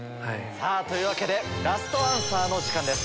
さぁというわけでラストアンサーの時間です。